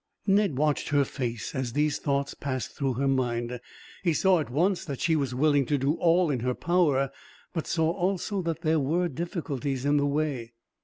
Ned watched her face, as these thoughts passed through her mind. He saw at once that she was willing to do all in her power, but saw also that there were difficulties in the way.